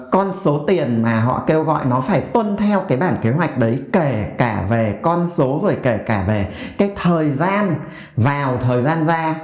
con số tiền mà họ kêu gọi nó phải tuân theo cái bản kế hoạch đấy kể cả về con số rồi kể cả về cái thời gian vào thời gian ra